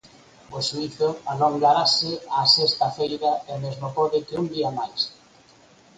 O xuízo alongarase a sexta feira e mesmo pode que un día máis.